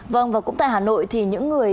vâng và cũng tại hà nội thì những người